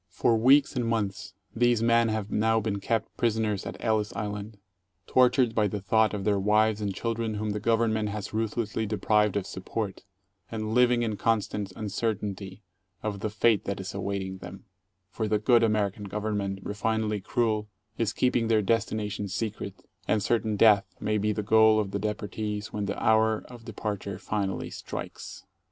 For weeks and months these men have now been kept prisoners at Ellis Island, tortured by the thought of their wives and children whom the Government has ruthlessly deprived of support, and living in constant uncer tainty of the fate that is awaiting them, for the good American Gov ernment, refinedly cruel, is keeping their destination secret, and certain death may be the goal of the deportees when the hour of departure finally strikes.